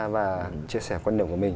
và chia sẻ quan điểm của mình